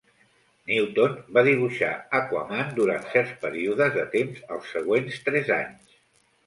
Newton va dibuixar Aquaman durant certs períodes de temps als següents tres anys.